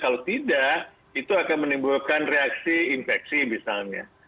kalau tidak itu akan menimbulkan reaksi infeksi misalnya